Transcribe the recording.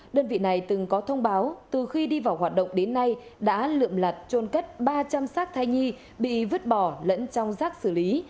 đơn vị này từng có thông báo từ khi đi vào hoạt động đến nay đã lượm lặt trôn cất ba trăm linh xác thai nhi bị vứt bỏ lẫn trong rác xử lý